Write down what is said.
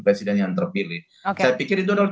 presiden yang terpilih saya pikir itu adalah